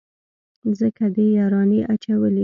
ځکه دې يارانې اچولي.